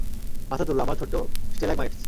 মাথা তোলো, আমার ছোট্ট স্ট্যালাগমাইটস।